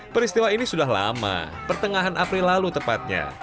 peristiwa ini sudah lama pertengahan april lalu tepatnya